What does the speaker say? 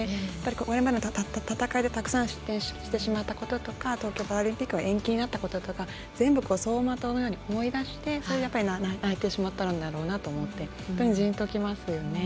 これまでの戦いで、たくさん失点してしまったこととか東京パラリンピックが延期になったこととか走馬灯のように思い出してそれで泣いてしまったんだろうなと思ってじーんときますよね。